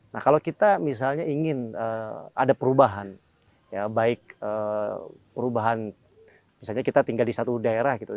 nah kalau kita misalnya ingin ada perubahan ya baik perubahan misalnya kita tinggal di satu daerah gitu